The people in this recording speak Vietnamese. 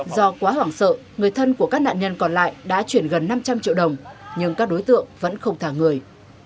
do quá hoảng sợ người thân của các nạn nhân còn lại đã chuyển gần năm trăm linh triệu đồng nhưng các đối tượng vẫn không thả người